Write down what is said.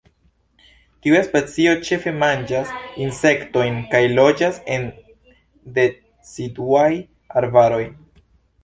Tiu specio ĉefe manĝas insektojn, kaj loĝas en deciduaj arbaroj.